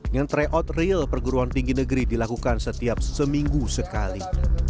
yang tryout real perguruan tinggi negeri dilakukan setiap seminggu sekali